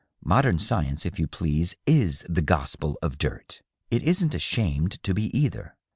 Modern science, if you please, is the gospel of dirt. It isn't ashamed to be, either.